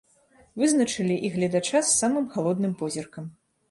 Вызначылі і гледача з самым галодным позіркам.